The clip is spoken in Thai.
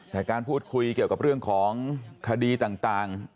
แต่การพูดคุยเกี่ยวกับเรื่องของคดีต่าง